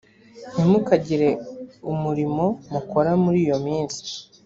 ntimukagire umurimo mukora muri iyo minsi